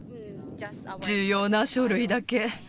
重要な書類だけ。